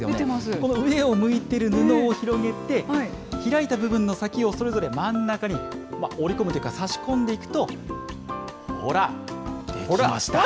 この上を向いてる布を広げて、開いた部分の先をそれぞれ真ん中に折り込むというか、差し込んで出来ました。